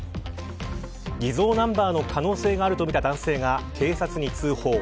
偽造ナンバーの可能性があると見た男性が警察に通報。